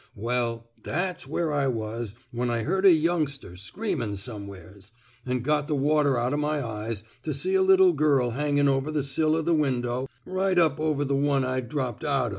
•••Well, that's where I was when I heard a youngster screamin' somewheres — an' got the water out o' my eyes to see a little girl hangin' over the sill o' the window right up over the one I'd dropped down out o'.